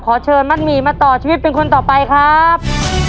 ขอเชิญมัดหมี่มาต่อชีวิตเป็นคนต่อไปครับ